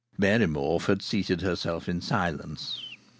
Mary Morfe had seated herself in silence.